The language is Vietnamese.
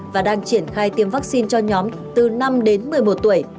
và đang triển khai tiêm vaccine cho nhóm từ năm đến một mươi một tuổi